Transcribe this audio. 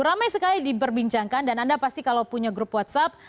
ramai sekali diperbincangkan dan anda pasti kalau punya grup whatsapp